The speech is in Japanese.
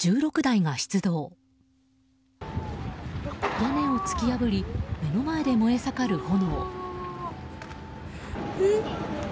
屋根を突き破り目の前で燃え盛る炎。